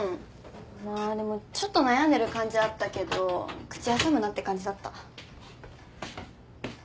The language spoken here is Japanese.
まあでもちょっと悩んでる感じあったけど口挟むなって感じだった。